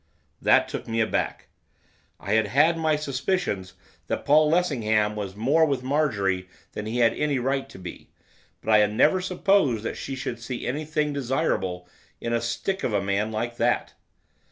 That took me aback. I had had my suspicions that Paul Lessingham was more with Marjorie than he had any right to be, but I had never supposed that she could see anything desirable in a stick of a man like that.